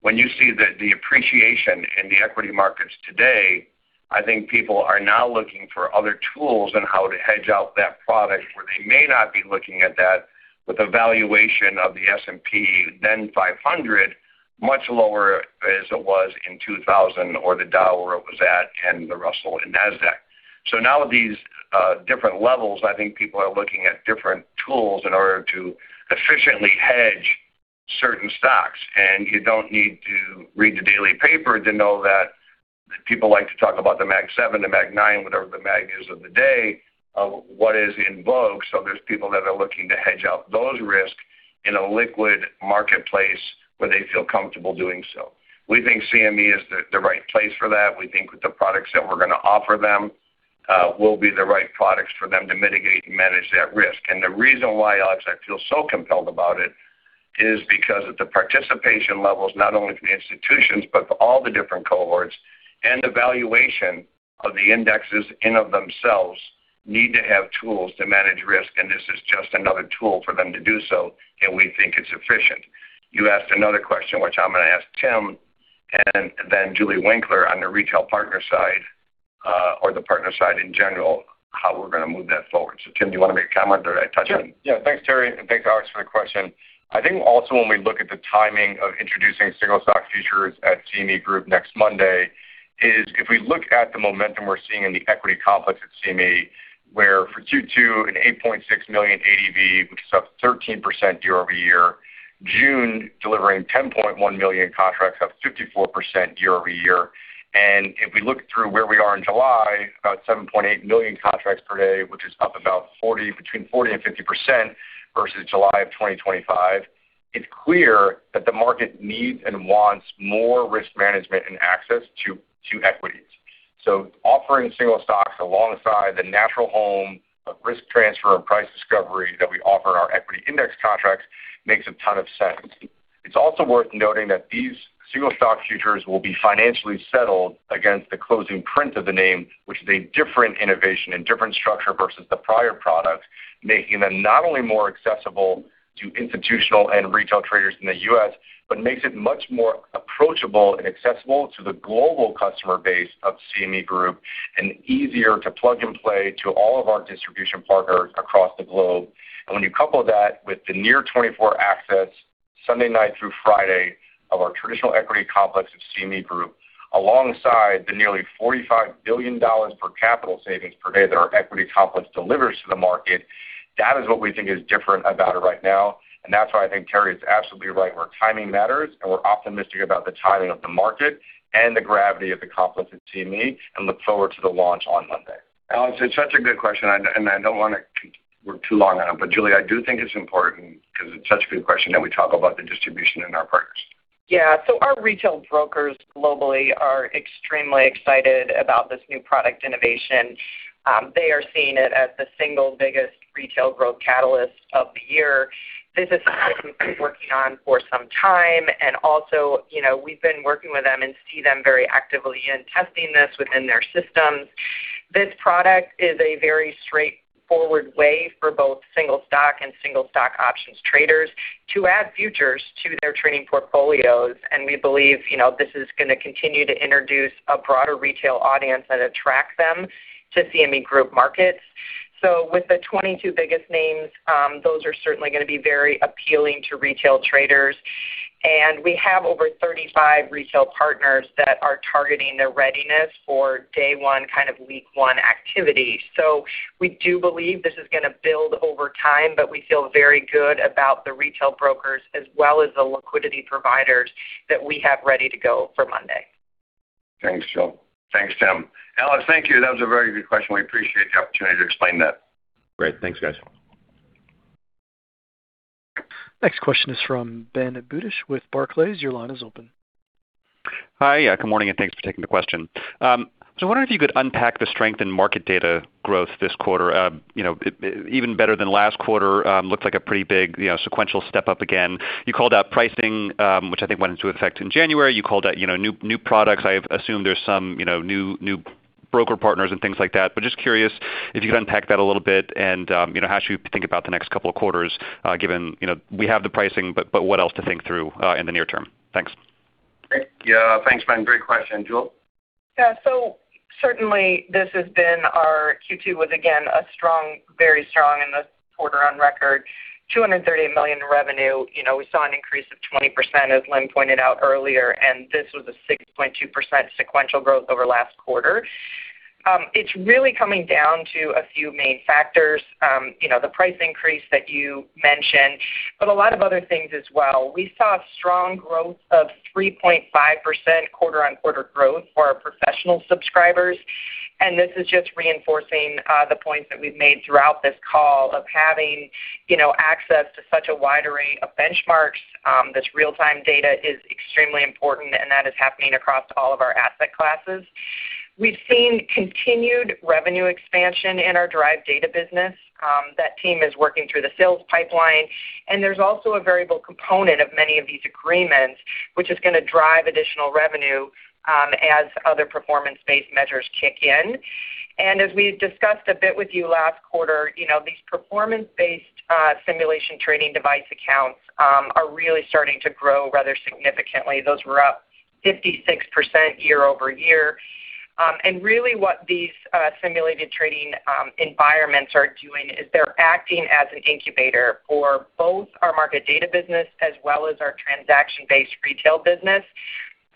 when you see the appreciation in the equity markets today, I think people are now looking for other tools on how to hedge out that product, where they may not be looking at that with a valuation of the S&P 500, much lower as it was in 2000 or the Dow where it was at and the Russell and Nasdaq. Now with these different levels, I think people are looking at different tools in order to efficiently hedge certain stocks. You don't need to read the daily paper to know that people like to talk about the Mag Seven, the Mag Nine, whatever the Mag is of the day, what is in vogue. There's people that are looking to hedge out those risks. In a liquid marketplace where they feel comfortable doing so. We think CME is the right place for that. We think that the products that we're going to offer them will be the right products for them to mitigate and manage that risk. The reason why, Alex, I feel so compelled about it, is because at the participation levels, not only from the institutions, but for all the different cohorts, and the valuation of the indexes in of themselves, need to have tools to manage risk, and this is just another tool for them to do so, and we think it's efficient. You asked another question, which I'm going to ask Tim, and then Julie Winkler on the retail partner side, or the partner side in general, how we're going to move that forward. Tim, do you want to make a comment? Or did I touch on- Sure. Yeah. Thanks, Terry, and thanks, Alex, for the question. I think also when we look at the timing of introducing Single Stock futures at CME Group next Monday, is if we look at the momentum we're seeing in the equity complex at CME, where for Q2, an 8.6 million ADV, which is up 13% year-over-year, June delivering 10.1 million contracts, up 54% year-over-year. If we look through where we are in July, about 7.8 million contracts per day, which is up about between 40%-50% versus July of 2025. It's clear that the market needs and wants more risk management and access to equities. Offering single stocks alongside the natural home of risk transfer and price discovery that we offer our equity index contracts makes a ton of sense. It's also worth noting that these Single Stock futures will be financially settled against the closing print of the name, which is a different innovation and different structure versus the prior product, making them not only more accessible to institutional and retail traders in the U.S., but makes it much more approachable and accessible to the global customer base of CME Group and easier to plug and play to all of our distribution partners across the globe. When you couple that with the near 24 access, Sunday night through Friday, of our traditional equity complex of CME Group, alongside the nearly $45 billion per capital savings per day that our equity complex delivers to the market, that is what we think is different about it right now, and that's why I think Terry is absolutely right, where timing matters, and we're optimistic about the timing of the market and the gravity of the complex at CME and look forward to the launch on Monday. Alex, it's such a good question, I don't want to work too long on it, Julie, I do think it's important because it's such a good question that we talk about the distribution and our partners. Our retail brokers globally are extremely excited about this new product innovation. They are seeing it as the single biggest retail growth catalyst of the year. This is something we've been working on for some time. We've been working with them and see them very actively in testing this within their systems. This product is a very straightforward way for both single stock and single stock options traders to add futures to their trading portfolios. We believe this is going to continue to introduce a broader retail audience and attract them to CME Group markets. With the 22 biggest names, those are certainly going to be very appealing to retail traders. We have over 35 retail partners that are targeting their readiness for day one, week one activity. We do believe this is going to build over time, we feel very good about the retail brokers as well as the liquidity providers that we have ready to go for Monday. Thanks, Jule. Thanks, Tim. Alex, thank you. That was a very good question. We appreciate the opportunity to explain that. Great. Thanks, guys. Next question is from Ben Budish with Barclays. Your line is open. Hi. Good morning, and thanks for taking the question. I wonder if you could unpack the strength in market data growth this quarter. Even better than last quarter, looked like a pretty big sequential step up again. You called out pricing, which I think went into effect in January. You called out new products. I assume there's some new broker partners and things like that. Just curious if you could unpack that a little bit and how should we think about the next couple of quarters, given we have the pricing, but what else to think through in the near term? Thanks. Thanks, Ben. Great question. Jule? Yeah. Certainly this has been our Q2 was again, a very strong in the quarter on record, $238 million in revenue. We saw an increase of 20%, as Lynne pointed out earlier. This was a 6.2% sequential growth over last quarter. It's really coming down to a few main factors. The price increase that you mentioned. A lot of other things as well. We saw strong growth of 3.5% quarter-on-quarter growth for our professional subscribers. This is just reinforcing the points that we've made throughout this call of having access to such a wide array of benchmarks. This real-time data is extremely important, and that is happening across all of our asset classes. We've seen continued revenue expansion in our derived data business. That team is working through the sales pipeline, there is also a variable component of many of these agreements, which is going to drive additional revenue as other performance-based measures kick in. As we discussed a bit with you last quarter, these performance-based simulation trading device accounts are really starting to grow rather significantly. Those were up 56% year-over-year. Really what these simulated trading environments are doing is they are acting as an incubator for both our market data business as well as our transaction-based retail business.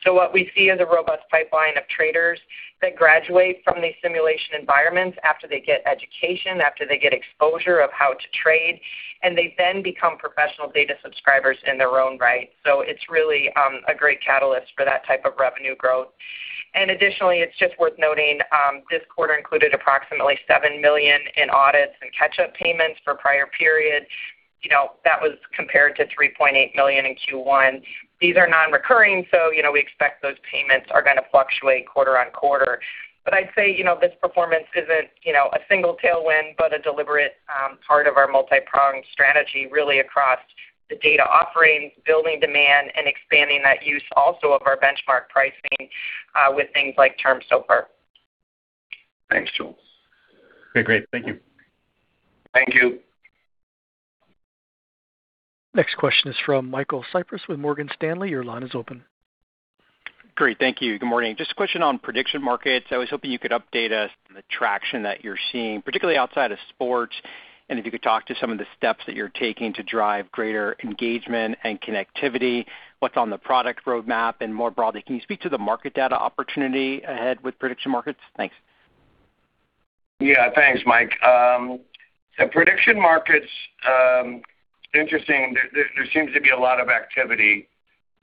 What we see is a robust pipeline of traders that graduate from these simulation environments after they get education, after they get exposure of how to trade, and they then become professional data subscribers in their own right. It is really a great catalyst for that type of revenue growth. Additionally, it is just worth noting, this quarter included approximately $7 million in audits and catch-up payments for prior periods. That was compared to $3.8 million in Q1. These are non-recurring, so we expect those payments are going to fluctuate quarter-over-quarter. I would say, this performance is not a single tailwind, but a deliberate part of our multi-pronged strategy, really across the data offerings, building demand, and expanding that use also of our benchmark pricing with things like Term SOFR. Thanks, Jule. Okay, great. Thank you. Thank you. Next question is from Michael Cyprys with Morgan Stanley. Your line is open. Great. Thank you. Good morning. Just a question on prediction markets. I was hoping you could update us on the traction that you're seeing, particularly outside of sports, and if you could talk to some of the steps that you're taking to drive greater engagement and connectivity, what's on the product roadmap, and more broadly, can you speak to the market data opportunity ahead with prediction markets? Thanks. Thanks, Mike. Prediction markets, interesting. There seems to be a lot of activity.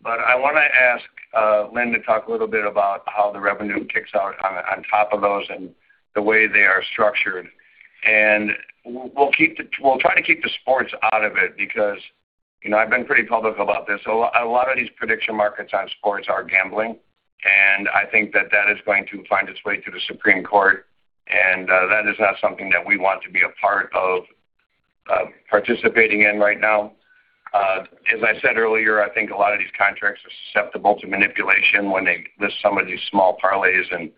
I want to ask Lynne to talk a little bit about how the revenue kicks out on top of those and the way they are structured. We'll try to keep the sports out of it because I've been pretty public about this. A lot of these prediction markets on sports are gambling, and I think that that is going to find its way to the Supreme Court, and that is not something that we want to be a part of participating in right now. As I said earlier, I think a lot of these contracts are susceptible to manipulation when they list some of these small parlays and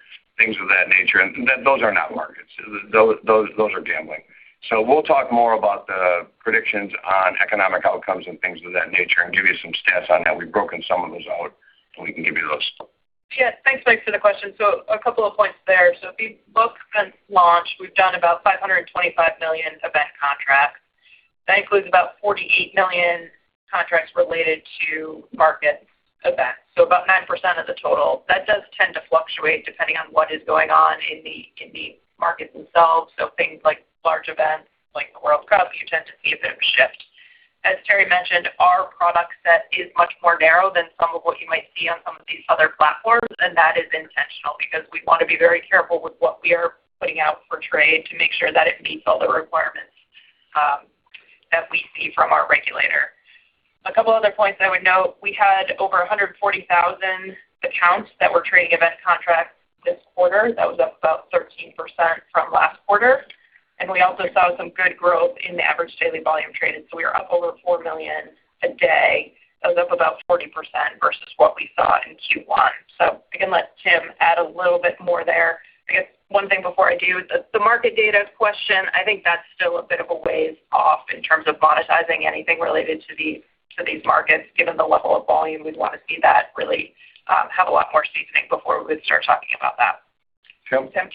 things of that nature, and those are not markets. Those are gambling. We'll talk more about the predictions on economic outcomes and things of that nature and give you some stats on how we've broken some of those out, and we can give you those. Thanks, Mike, for the question. A couple of points there. If you look since launch, we've done about 525 million event contracts. That includes about 48 million contracts related to market events, about 9% of the total. That does tend to fluctuate depending on what is going on in the markets themselves. Things like large events like the World Cup, you tend to see a bit of a shift. As Terry mentioned, our product set is much more narrow than some of what you might see on some of these other platforms, and that is intentional because we want to be very careful with what we are putting out for trade to make sure that it meets all the requirements that we see from our regulator. A couple other points I would note. We had over 140,000 accounts that were trading event contracts this quarter. That was up about 13% from last quarter. We also saw some good growth in the average daily volume traded. We are up over 4 million a day. That was up about 40% versus what we saw in Q1. I can let Tim add a little bit more there. I guess one thing before I do, the market data question, I think that's still a bit of a ways off in terms of monetizing anything related to these markets, given the level of volume. We'd want to see that really have a lot more seasoning before we would start talking about that. Tim? Tim.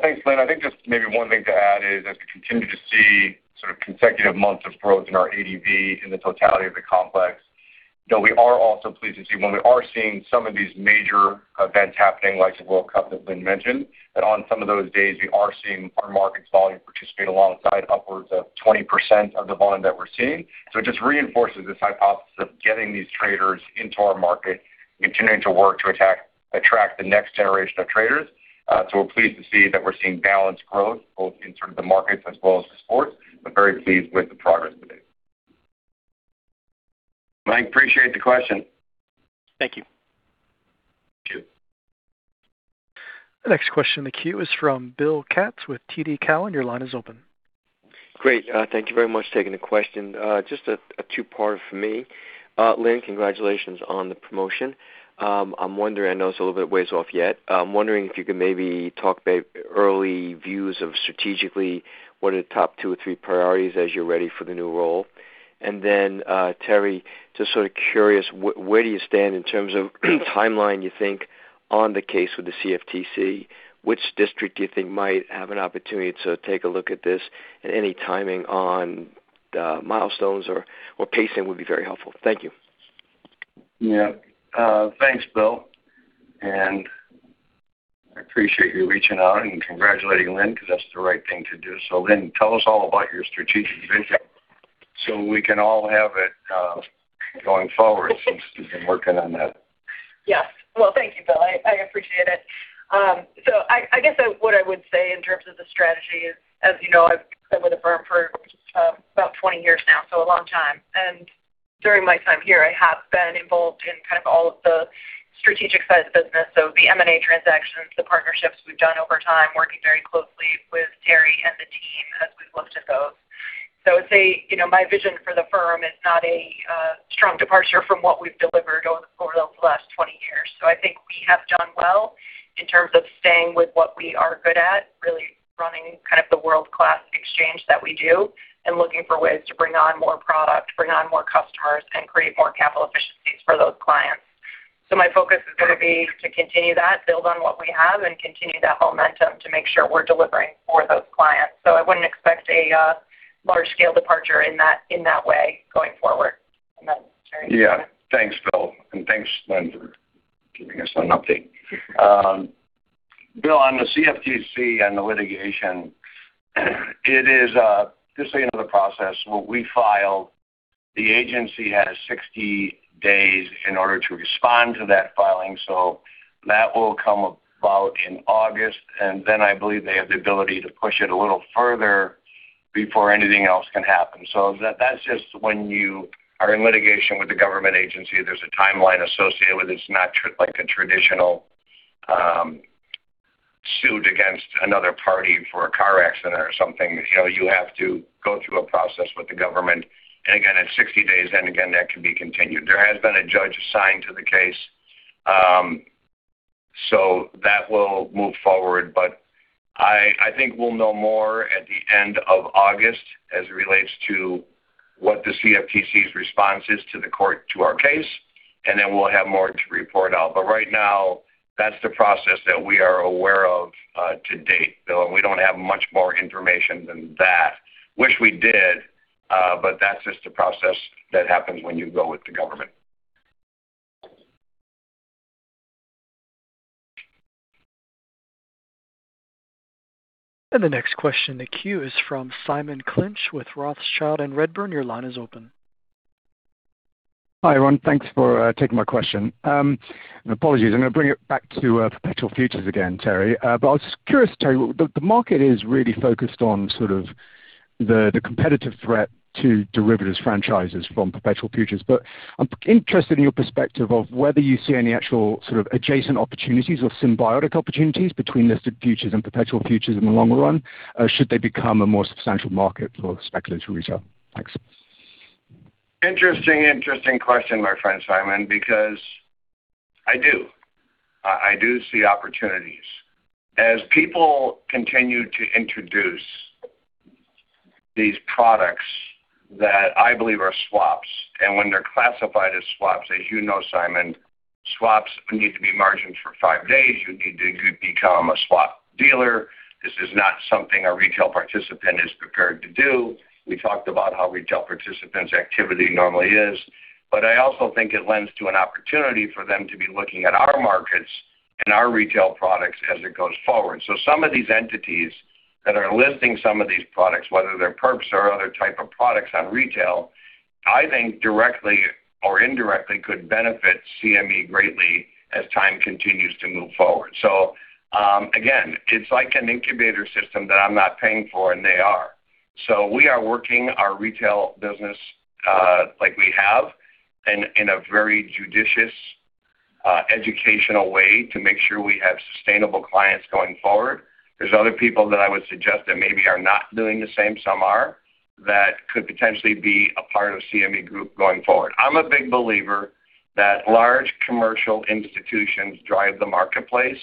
Thanks, Lynne. I think just maybe one thing to add is, as we continue to see sort of consecutive months of growth in our ADV in the totality of the complex, that we are also pleased to see when we are seeing some of these major events happening, like the World Cup that Lynne mentioned, that on some of those days, we are seeing our markets volume participate alongside upwards of 20% of the volume that we're seeing. It just reinforces this hypothesis of getting these traders into our market and continuing to work to attract the next generation of traders. We're pleased to see that we're seeing balanced growth, both in terms of the markets as well as the sports. We're very pleased with the progress we've made. Mike, appreciate the question. Thank you. Thank you. The next question in the queue is from Bill Katz with TD Cowen. Your line is open. Great. Thank you very much for taking the question. Just a two-parter from me. Lynne, congratulations on the promotion. I know it's a little bit ways off yet. I'm wondering if you could maybe talk early views of strategically, what are the top two or three priorities as you're ready for the new role? Then, Terry, just sort of curious, where do you stand in terms of timeline, you think, on the case with the CFTC? Which district do you think might have an opportunity to take a look at this? Any timing on the milestones or pacing would be very helpful. Thank you. Yeah. Thanks, Bill. I appreciate you reaching out and congratulating Lynne because that's the right thing to do. Lynne, tell us all about your strategic vision so we can all have it going forward since you've been working on that. Yes. Well, thank you, Bill. I appreciate it. I guess what I would say in terms of the strategy is, as you know, I've been with the firm for about 20 years now, a long time. During my time here, I have been involved in kind of all of the strategic side of the business. The M&A transactions, the partnerships we've done over time, working very closely with Terry and the team as we've looked at those. I would say, my vision for the firm is not a strong departure from what we've delivered over the course of the last 20 years. I think we have done well in terms of staying with what we are good at, really running kind of the world-class exchange that we do, looking for ways to bring on more product, bring on more customers, and create more capital efficiencies for those clients. My focus is going to be to continue that, build on what we have, and continue that momentum to make sure we're delivering for those clients. I wouldn't expect a large-scale departure in that way going forward. Then Terry. Thanks, Bill. Thanks, Lynne, for keeping us on update. Bill, on the CFTC and the litigation, it is just the end of the process. What we filed, the agency has 60 days in order to respond to that filing. That will come about in August, and then I believe they have the ability to push it a little further before anything else can happen. That's just when you are in litigation with the government agency, there's a timeline associated with it. It's not like a traditional suit against another party for a car accident or something. You have to go through a process with the government, and again, it's 60 days, then again, that can be continued. There has been a judge assigned to the case, that will move forward. I think we'll know more at the end of August as it relates to what the CFTC's response is to the court to our case. Then we'll have more to report out. Right now, that's the process that we are aware of to date, Bill, and we don't have much more information than that. Wish we did, but that's just the process that happens when you go with the government. The next question in the queue is from Simon Clinch with Rothschild & Co Redburn. Your line is open. Hi, everyone. Thanks for taking my question. Apologies, I'm going to bring it back to perpetual futures again, Terry. I was just curious, Terry, the market is really focused on the competitive threat to derivatives franchises from perpetual futures. I'm interested in your perspective of whether you see any actual adjacent opportunities or symbiotic opportunities between listed futures and perpetual futures in the long run, should they become a more substantial market for speculative retail. Thanks. Interesting question, my friend Simon, because I do. I do see opportunities. As people continue to introduce these products that I believe are swaps, and when they're classified as swaps, as you know, Simon, swaps need to be margined for five days. You need to become a swap dealer. This is not something a retail participant is prepared to do. We talked about how retail participants' activity normally is, but I also think it lends to an opportunity for them to be looking at our markets and our retail products as it goes forward. Some of these entities that are listing some of these products, whether they're perps or other type of products on retail, I think directly or indirectly could benefit CME greatly as time continues to move forward. Again, it's like an incubator system that I'm not paying for, and they are. We are working our retail business like we have in a very judicious, educational way to make sure we have sustainable clients going forward. There's other people that I would suggest that maybe are not doing the same, some are, that could potentially be a part of CME Group going forward. I'm a big believer that large commercial institutions drive the marketplace.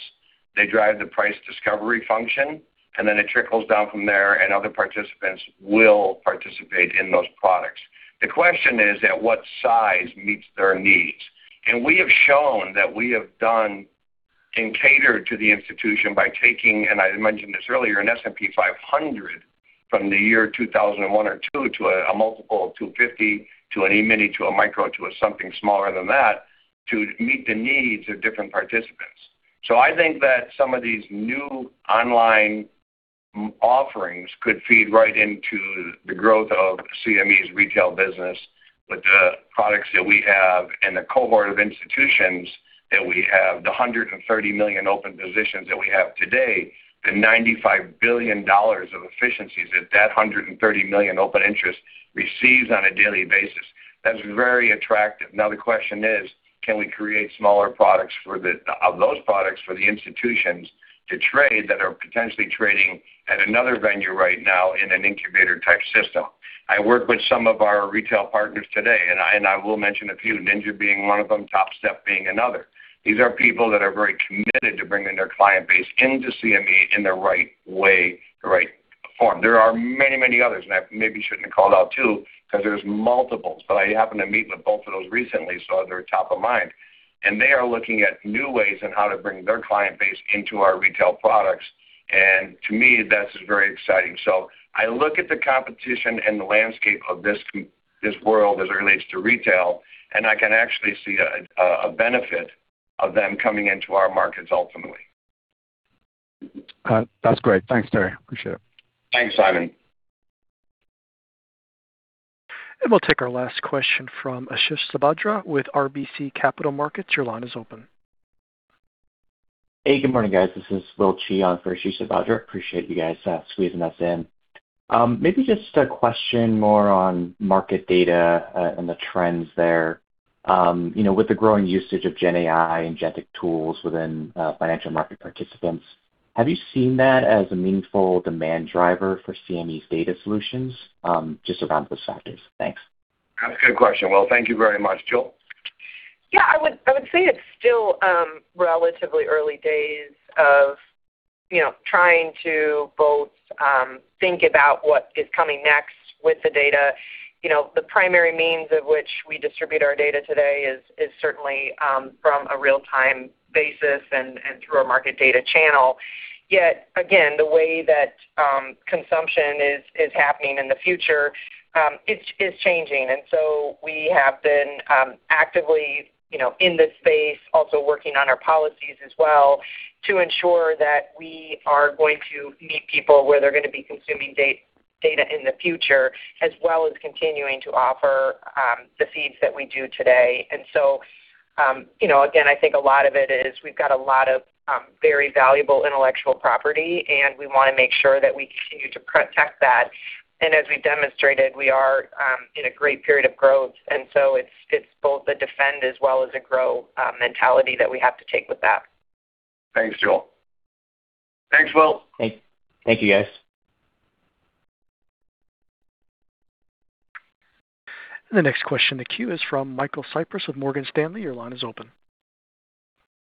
They drive the price discovery function, and then it trickles down from there, and other participants will participate in those products. The question is at what size meets their needs. We have shown that we have done and catered to the institution by taking, and I mentioned this earlier, an S&P 500 from the year 2001 or 2002 to a multiple of 250 to an E-mini to a micro to something smaller than that to meet the needs of different participants. I think that some of these new online offerings could feed right into the growth of CME's retail business with the products that we have and the cohort of institutions that we have, the 130 million open positions that we have today, the $95 billion of efficiencies that that 130 million open interest receives on a daily basis. That's very attractive. Now the question is: Can we create smaller products of those products for the institutions to trade that are potentially trading at another venue right now in an incubator-type system? I work with some of our retail partners today, and I will mention a few, NinjaTrader being one of them, Topstep being another. These are people that are very committed to bringing their client base into CME in the right way, the right form. There are many others that maybe shouldn't have called out too because there's multiples, but I happen to meet with both of those recently, so they're top of mind. They are looking at new ways on how to bring their client base into our retail products. To me, that's very exciting. I look at the competition and the landscape of this world as it relates to retail, and I can actually see a benefit of them coming into our markets ultimately. That's great. Thanks, Terry. Appreciate it. Thanks, Simon. We'll take our last question from Ashish Sabadra with RBC Capital Markets. Your line is open. Hey, good morning, guys. This is Will Qi on for Ashish Sabadra. Appreciate you guys squeezing us in. Maybe just a question more on market data and the trends there. With the growing usage of Gen AI and generative tools within financial market participants, have you seen that as a meaningful demand driver for CME's data solutions? Just around those factors. Thanks. Good question, Will. Thank you very much. Jule? Yeah, I would say it's still relatively early days of trying to both think about what is coming next with the data. The primary means of which we distribute our data today is certainly from a real-time basis and through a market data channel. Again, the way that consumption is happening in the future, it's changing. We have been actively in this space, also working on our policies as well to ensure that we are going to meet people where they're going to be consuming data in the future, as well as continuing to offer the feeds that we do today. Again, I think a lot of it is we've got a lot of very valuable intellectual property, and we want to make sure that we continue to protect that. As we've demonstrated, we are in a great period of growth, it's both a defend as well as a grow mentality that we have to take with that. Thanks, Jule. Thanks, Will. Thank you, guys. The next question in the queue is from Michael Cyprys of Morgan Stanley. Your line is open.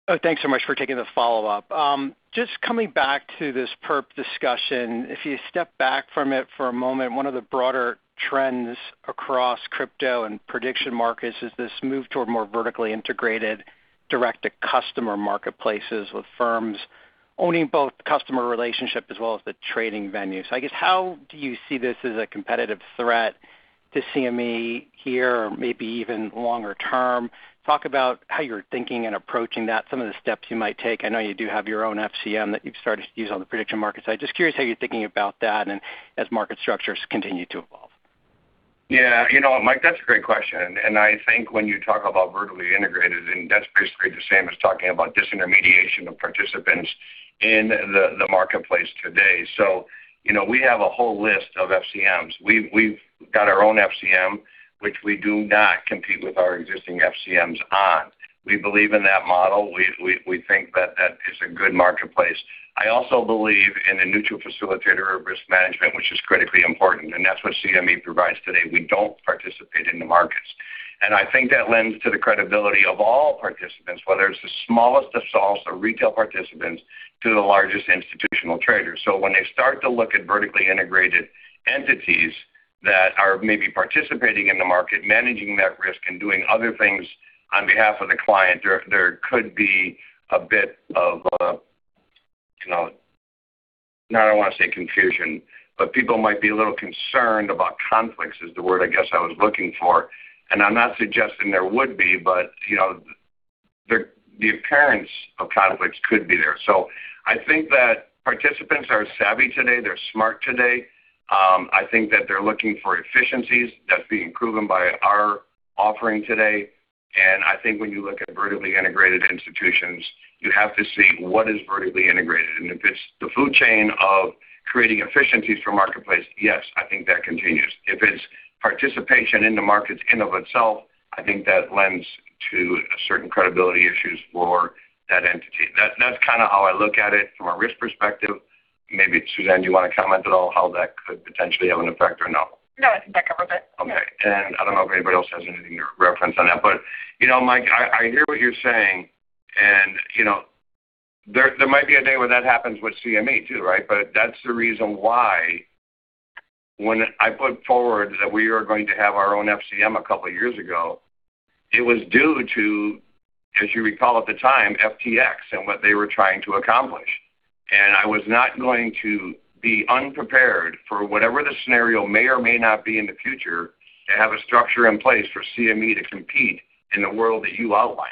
Oh, thanks so much for taking the follow-up. Just coming back to this perp discussion, if you step back from it for a moment, one of the broader trends across crypto and prediction markets is this move toward more vertically integrated direct-to-customer marketplaces, with firms owning both the customer relationship as well as the trading venue. I guess, how do you see this as a competitive threat to CME here or maybe even longer term? Talk about how you're thinking and approaching that, some of the steps you might take. I know you do have your own FCM that you've started to use on the prediction market side. Just curious how you're thinking about that and as market structures continue to evolve. Yeah. Mike, that's a great question. I think when you talk about vertically integrated, That's basically the same as talking about disintermediation of participants in the marketplace today. We have a whole list of FCMs. We've got our own FCM, which we do not compete with our existing FCMs on. We believe in that model. We think that that is a good marketplace. I also believe in a neutral facilitator of risk management, which is critically important, and that's what CME provides today. We don't participate in the markets. I think that lends to the credibility of all participants, whether it's the smallest of sorts or retail participants to the largest institutional traders. When they start to look at vertically integrated entities that are maybe participating in the market, managing that risk and doing other things on behalf of the client, there could be a bit of, I don't want to say confusion, but people might be a little concerned about conflicts, is the word I guess I was looking for. I'm not suggesting there would be, but the appearance of conflicts could be there. I think that participants are savvy today. They're smart today. I think that they're looking for efficiencies that is being proven by our offering today. I think when you look at vertically integrated institutions, you have to see what is vertically integrated. If it is the food chain of creating efficiencies for marketplace, yes, I think that continues. If it is participation in the markets in of itself, I think that lends to certain credibility issues for that entity. That is kind of how I look at it from a risk perspective. Maybe Suzanne, do you want to comment at all how that could potentially have an effect or no? No, I think that covers it. Okay. I don't know if anybody else has anything to reference on that. Mike, I hear what you are saying, and there might be a day where that happens with CME too, right? That is the reason why when I put forward that we are going to have our own FCM a couple of years ago, it was due to, as you recall at the time, FTX and what they were trying to accomplish. I was not going to be unprepared for whatever the scenario may or may not be in the future to have a structure in place for CME to compete in the world that you outlined.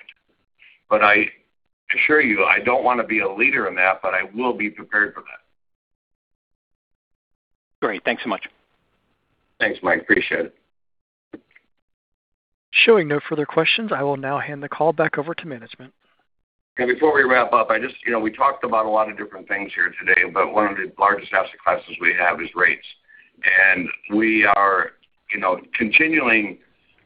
I assure you, I don't want to be a leader in that, but I will be prepared for that. Great. Thanks so much. Thanks, Mike. Appreciate it. Showing no further questions, I will now hand the call back over to management. Before we wrap up, we talked about a lot of different things here today, but one of the largest asset classes we have is rates. We are continuing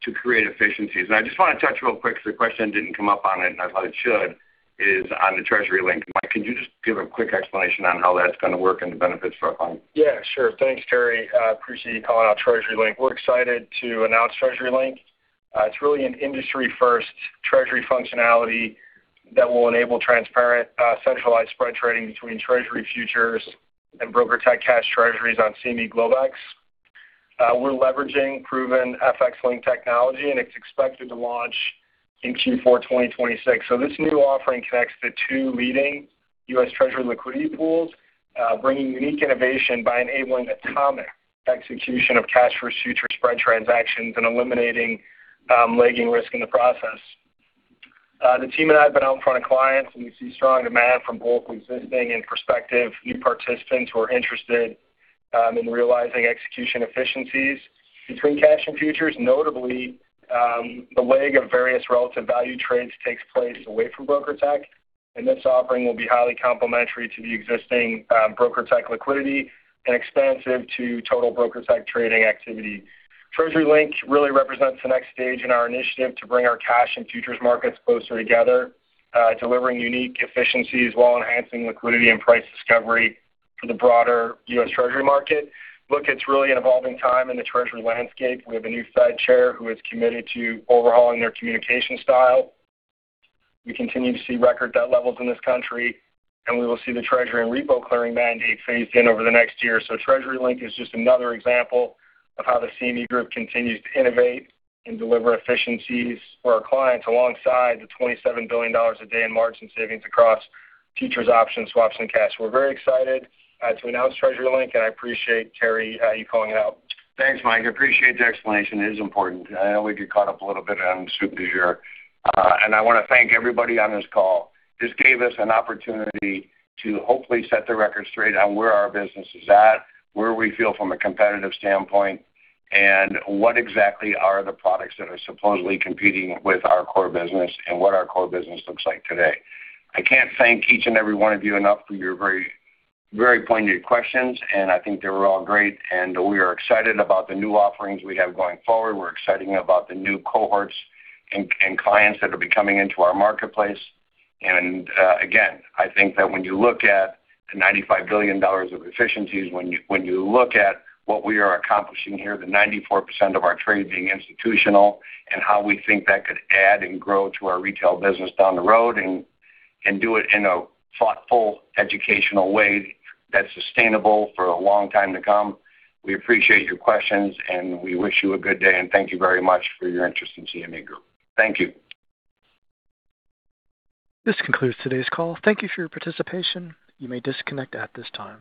to create efficiencies. I just want to touch real quick, because the question didn't come up on it, and I thought it should, is on the Treasury Link. Mike, could you just give a quick explanation on how that's going to work and the benefits for our clients? Sure. Thanks, Terry. Appreciate you calling out Treasury Link. We're excited to announce Treasury Link. It's really an industry-first Treasury functionality that will enable transparent, centralized spread trading between Treasury futures and BrokerTec cash Treasuries on CME Globex. We're leveraging proven FX Link technology. It's expected to launch in Q4 2026. This new offering connects the two leading U.S. Treasury liquidity pools, bringing unique innovation by enabling atomic execution of cash for future spread transactions and eliminating lagging risk in the process. The team and I have been out in front of clients, and we see strong demand from both existing and prospective new participants who are interested in realizing execution efficiencies between cash and futures. Notably, the lag of various relative value trades takes place away from BrokerTec, and this offering will be highly complementary to the existing BrokerTec liquidity and expansive to total BrokerTec trading activity. Treasury Link really represents the next stage in our initiative to bring our cash and futures markets closer together, delivering unique efficiencies while enhancing liquidity and price discovery for the broader U.S. Treasury market. It's really an evolving time in the Treasury landscape. We have a new Fed chair who is committed to overhauling their communication style. We continue to see record debt levels in this country, and we will see the Treasury and repo clearing mandate phased in over the next year. Treasury Link is just another example of how CME Group continues to innovate and deliver efficiencies for our clients alongside the $27 billion a day in margin savings across futures options, swaps, and cash. We're very excited to announce Treasury Link, and I appreciate, Terry, you calling it out. Thanks, Mike. I appreciate the explanation. It is important. I know we get caught up a little bit on soup du jour. I want to thank everybody on this call. This gave us an opportunity to hopefully set the record straight on where our business is at, where we feel from a competitive standpoint, and what exactly are the products that are supposedly competing with our core business and what our core business looks like today. I can't thank each and every one of you enough for your very pointed questions, and I think they were all great. We are excited about the new offerings we have going forward. We're excited about the new cohorts and clients that'll be coming into our marketplace. I think that when you look at the $95 billion of efficiencies, when you look at what we are accomplishing here, the 94% of our trade being institutional, and how we think that could add and grow to our retail business down the road and do it in a thoughtful, educational way that is sustainable for a long time to come. We appreciate your questions, and we wish you a good day, and thank you very much for your interest in CME Group. Thank you. This concludes today's call. Thank you for your participation. You may disconnect at this time.